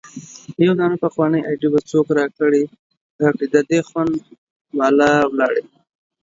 يو دانه پخوانۍ ايډي به څوک را کړي د دې خوند بالا ولاړی